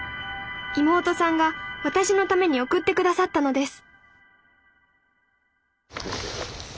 妹さんが私のために送ってくださったのです